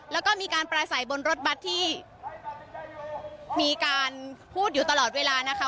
แล้วก็มีการปลาใสบนรถบัตรที่มีการพูดอยู่ตลอดเวลานะคะ